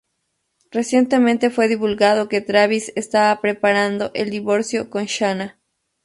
Recientemente, fue divulgado que Travis estaba preparando el divorcio con Shanna.